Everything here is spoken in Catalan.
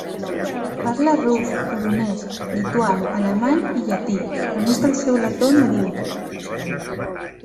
Parla rus, polonès, lituà, alemany i llatí, a més del seu letó nadiu.